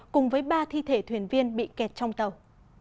cùng với ba thi thể thuyền viên bị kẹt trong tàu